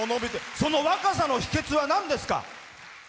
その若さの秘けつはなんですか？